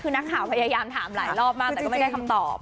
คือนักข่าวพยายามถามหลายรอบมากแต่ก็ไม่ได้คำตอบ